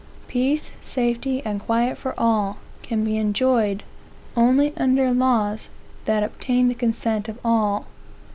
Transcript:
Peace, safety, and quiet for all, can be enjoyed only under laws that obtain the consent of all.